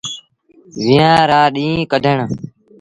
ويهآݩ رآ ڏيٚݩهݩ ڪڍڻ۔